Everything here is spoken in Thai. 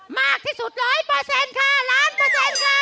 มากที่สุด๑๐๐ค่ะล้านเปอร์เซ็นต์ค่ะ